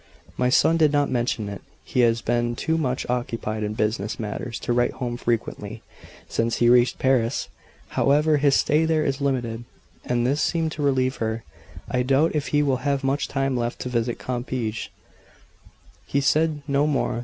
"My son did not mention it. He has been too much occupied in business matters to write home frequently, since he reached Paris. However his stay there is limited;" and this seemed to relieve her. "I doubt if he will have much time left to visit Compiegne."